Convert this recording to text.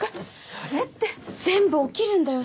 それって全部起きるんだよ